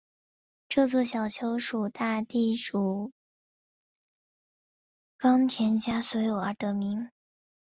这座小丘属大地主冈田家所有而得名。